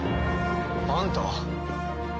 あんたは。